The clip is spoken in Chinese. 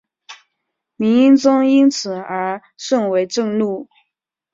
明英宗因此而甚为震怒。